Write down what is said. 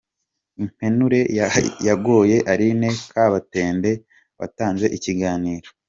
Impenure yagoye Alline Kabatende watanze ikiganiro….